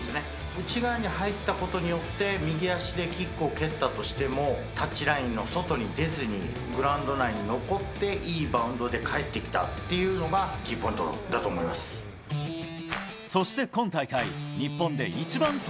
内側に入ったことによって、右足でキックを蹴ったとしても、タッチラインの外に出ずに、グラウンド内に残って、いいバウンドで返ってきたっていうのが、キーポイントだと思いまそして今大会、日本で一番得